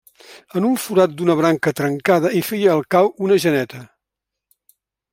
En un forat d'una branca trencada hi feia el cau una geneta.